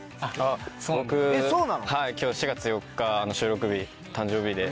僕今日４月４日の収録日誕生日で。